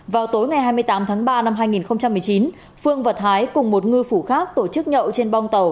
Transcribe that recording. vào tối ngày hai mươi tám tháng ba năm hai nghìn một mươi chín phương và thái cùng một ngư phủ khác tổ chức nhậu trên bong tàu